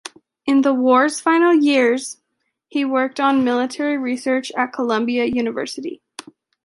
In the war's final years, he worked on military research at Columbia University.